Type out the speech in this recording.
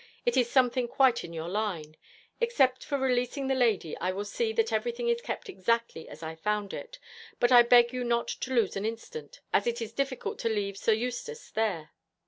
It is something quite in your line. Except for releasing the lady I will see that everything is kept exactly as I have found it, but I beg you not to lose an instant, as it is difficult to leave Sir Eustace there.